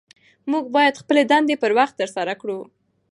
موږ باید خپلې دندې پر وخت ترسره کړو